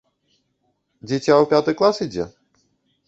Дзіця ў пяты клас ідзе?